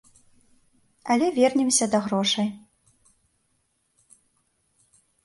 Але вернемся да грошай.